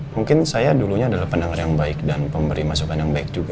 mungkin saya dulunya adalah pendengar yang baik dan pemberi masukan yang baik juga